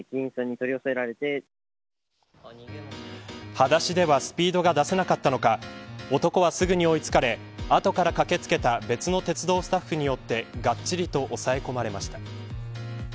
はだしではスピードが出せなかったのか男はすぐに追い付かれ後から駆け付けた別の鉄道スタッフによってがっちりと押さえ込まれました。